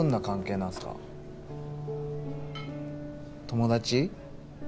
友達？